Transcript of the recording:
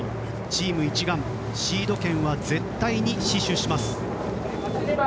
チーム一丸シード権は絶対に死守します。